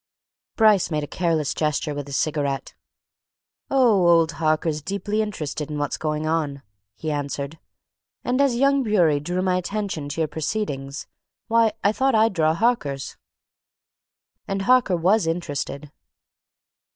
Bryce made a careless gesture with his cigarette. "Oh old Harker's deeply interested in what's going on," he answered. "And as young Bewery drew my attention to your proceedings, why, I thought I'd draw Harker's. And Harker was interested."